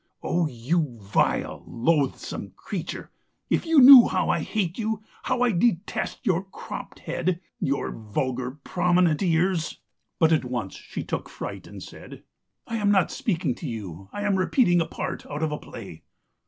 Oh, you vile, loathsome creature, if you knew how I hate you, how I detest your cropped head, your vulgar, prominent ears!' "But at once she took fright and said: "'I am not speaking to you, I am repeating a part out of a play.